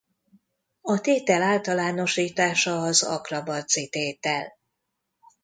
A tétel általánosítása az Akra–Bazzi-tétel.